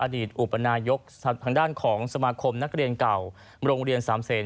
อุปนายกทางด้านของสมาคมนักเรียนเก่าโรงเรียนสามเศษ